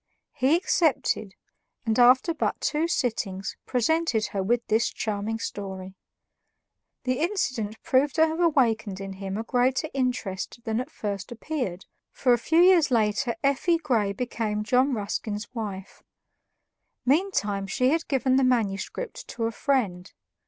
He accepted, and after but two sittings, presented her with this charming story. The incident proved to have awakened in him a greater interest than at first appeared, for a few years later "Effie" Grey became John Ruskin's wife. Meantime she had given the manuscript to a friend.